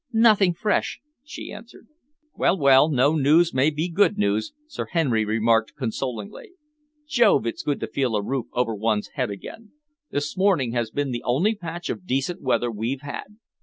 "Nothing fresh," she answered. "Well, well, no news may be good news," Sir Henry remarked consolingly. "Jove, it's good to feel a roof over one's head again! This morning has been the only patch of decent weather we've had."